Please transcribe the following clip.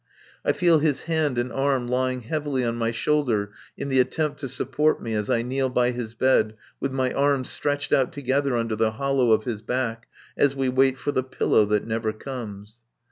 I feel his hand and arm lying heavily on my shoulder in the attempt to support me as I kneel by his bed with my arms stretched out together under the hollow of his back, as we wait for the pillow that never comes.